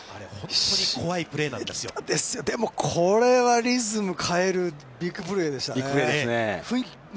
でも、これはリズムを変えるビッグプレーでしたね。